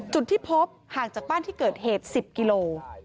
จุดที่พบห่างจากบ้านที่เกิดเหตุ๑๐กิโล